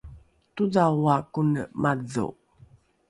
todhaoa kone madho!